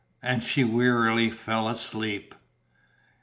And she wearily fell asleep.